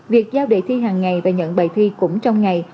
việc giao đề thi hàng ngày và nhận bài thi cũng trong ngày